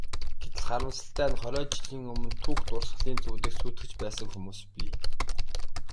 Гэтэл, харамсалтай нь хориод жилийн өмнө түүх дурсгалын зүйлийг сүйтгэж байсан хүмүүс бий.